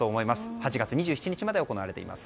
８月２７日まで行われています。